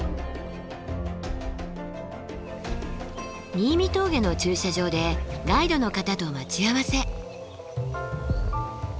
新見峠の駐車場でガイドの方と待ち合わせ。